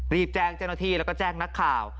รีบแจ้งเจ้าหน้าที่แล้วก็แจ้งนักข่าว